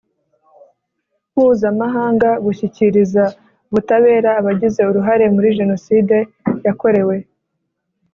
mpuzamahanga gushyikiriza ubutabera abagize uruhare muri Jenoside yakorewe